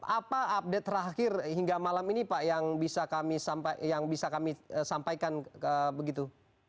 apa update terakhir hingga malam ini pak yang bisa kami sampaikan begitu